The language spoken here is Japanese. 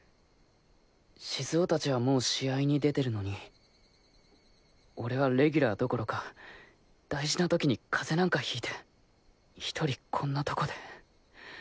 静雄達はもう試合に出てるのに俺はレギュラーどころか大事な時に風邪なんか引いて１人こんなとこで。